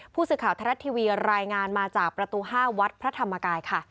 ผู้สื่อข่าวไทยรัฐทีวีรายงานมาจากประตู๕วัดพระธรรมกายค่ะ